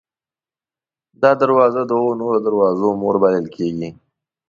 دا دروازه د اوو نورو دروازو مور بلل کېږي.